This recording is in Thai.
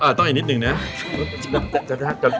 อ่าต้องอีกนิดหนึ่งเนี่ย